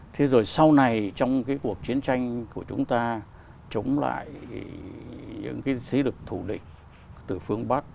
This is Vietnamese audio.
thế rồi sau này trong cái cuộc chiến tranh của chúng ta chống lại những cái xí lực thủ địch từ phương bắc